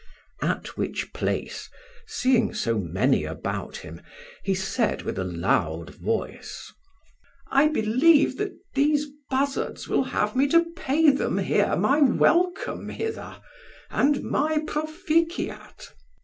At which place, seeing so many about him, he said with a loud voice, I believe that these buzzards will have me to pay them here my welcome hither, and my Proficiat.